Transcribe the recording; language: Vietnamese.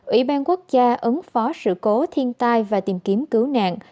ủy ban quốc gia ứng phó sự cố thiên tai và tìm kiếm cứu nạn